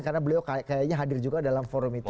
karena beliau kayaknya hadir juga dalam forum itu